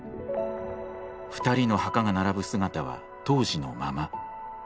２人の墓が並ぶ姿は当時のまま。